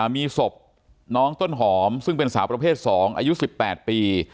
มีศพน้องต้นหอมซึ่งเป็นสาวประเภท๒อายุ๑๘ปี